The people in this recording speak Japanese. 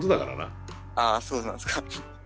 ああそうなんすか。